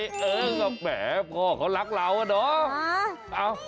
แม่ก็แบบพ่อเขารักเราน่ะ